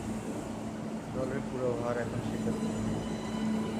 জলের পুরো ভার এখন শিপের উপর।